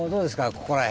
ここら辺。